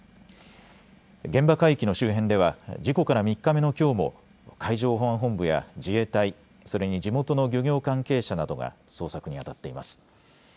現場海域の周辺では事故から３日目のきょうも海上保安本部や自衛隊、それに地元の漁業関係者などが捜索にあたっています。